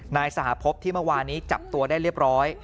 นายสหพบที่เมื่อวานี้จับตัวได้เรียบร้อย